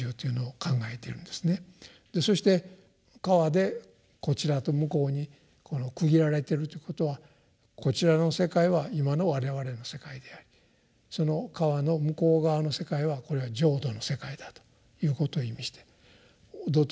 そして川でこちらと向こうに区切られているということはこちらの世界は今の我々の世界でありその川の向こう側の世界はこれは浄土の世界だということを意味している。